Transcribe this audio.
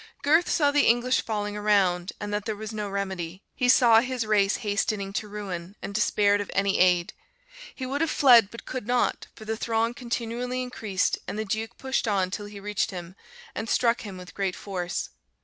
"Gurth saw the English falling around, and that there was no remedy. He saw his race hastening to ruin, and despaired of any aid; he would have fled but could not, for the throng continually increased and the Duke pushed on till he reached him, and struck him with great force.